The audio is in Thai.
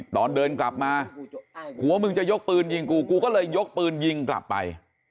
ตอนเดินกลับมาหัวมึงจะยกปืนยิงกูกูก็เลยยกปืนยิงกลับไป